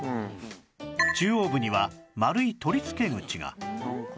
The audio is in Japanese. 中央部には丸い取りつけ口が